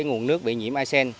nguồn nước bị nhiễm a sen